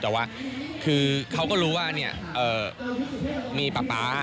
แต่ว่าคือเขาก็รู้ว่ามีป๊าป๊า